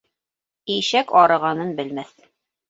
Ишәк арығанын белмәҫ